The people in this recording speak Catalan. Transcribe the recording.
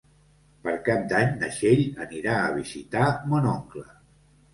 Per Cap d'Any na Txell anirà a visitar mon oncle.